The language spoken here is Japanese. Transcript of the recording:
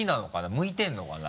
向いてるのかな？